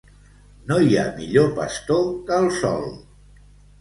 No hi ha millor pastor que el sol.